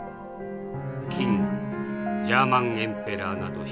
キングジャーマン・エンペラーなど隨う」。